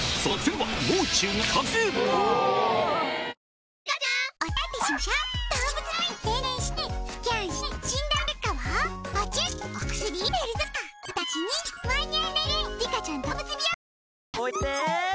はい！